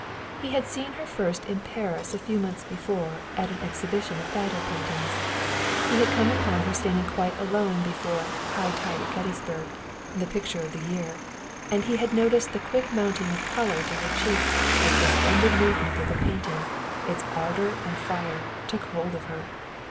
He had seen her first in Paris a few months before at an exhibition of battle paintings. He had come upon her standing quite alone before High Tide at Gettysburg, the picture of the year; and he had noted the quick mounting of color to her cheeks as the splendid movement of the painting its ardor and fire took hold of her.